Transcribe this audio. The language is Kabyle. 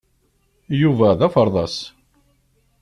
Yuba d aferḍas.